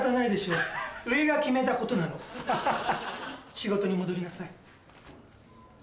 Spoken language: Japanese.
仕事に戻りなさい。